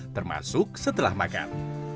termasuk setelah makan